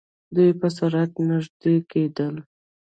دوئ په سرعت نژدې کېدل.